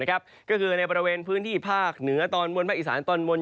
ก็คือในบริเวณพื้นที่ภาคเหนือตอนบนภาคอีสานตอนบน